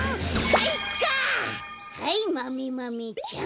はいマメマメちゃん。